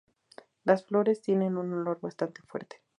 Las flores tienen un olor bastante fuerte.